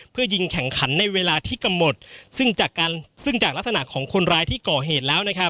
เพื่อยิงแข่งขันในเวลาที่กำหมดซึ่งจากลักษณะของคนร้ายที่ก่อเหตุแล้ว